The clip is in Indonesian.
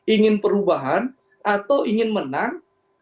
ingin perubahan atau ingin menang